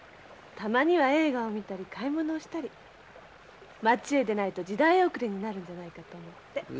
たまには映画を見たり買い物をしたり町へ出ないと時代遅れになるんじゃないかと思って。